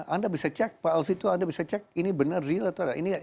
anda bisa cek pak alfito anda bisa cek ini benar real atau tidak